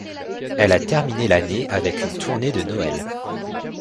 Elle a terminé l'année avec une tournée de Noël.